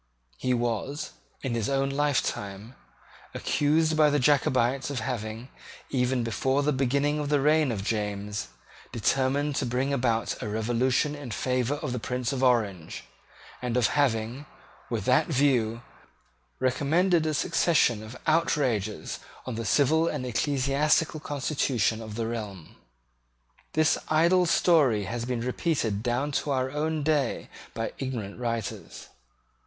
He was, in his own lifetime, accused by the Jacobites of having, even before the beginning of the reign of James, determined to bring about a revolution in favour of the Prince of Orange, and of having, with that view, recommended a succession of outrages on the civil and ecclesiastical constitution of the realm. This idle story has been repeated down to our own days by ignorant writers.